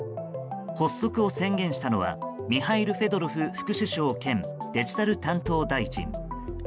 発足を宣言したのはミハイル・フェドロフ副首相兼デジタル担当大臣。